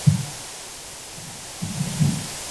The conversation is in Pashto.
خپل نفس تر کنټرول لاندې وساتئ.